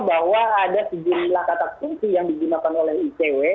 bahwa ada sejumlah kata kunci yang digunakan oleh icw